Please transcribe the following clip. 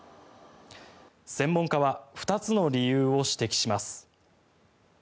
専門家は２つの理由を指摘します。